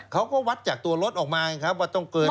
เขาก็วัดจากตัวรถออกมาไงครับว่าต้องเกิน